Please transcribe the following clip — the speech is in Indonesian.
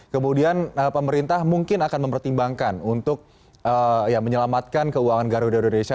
kemudian pemerintah mungkin akan mempertimbangkan untuk menyelamatkan keuangan garuda indonesia